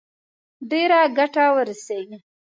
ډېره ګټه ورسوي.